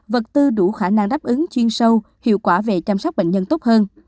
vật tư đủ khả năng đáp ứng chuyên sâu hiệu quả về chăm sóc bệnh nhân tốt hơn